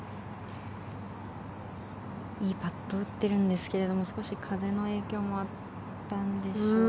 いいパットを打ってるんですけど少し風の影響もあったんでしょうか。